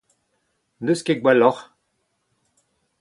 N'eus ket gwelloc'h !